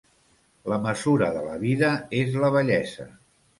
La mesura de la vida és la vellesa.